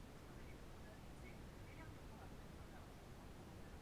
Byla ve verzích sedan a kombi.